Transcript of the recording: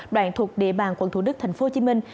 đoàn thuộc đề bàng quận thủ đức tp hcm